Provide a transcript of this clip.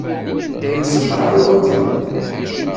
Ur iṣebber ara i wakken.